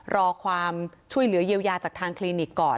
รอความช่วยเหลือเยียวยาจากทางคลินิกก่อน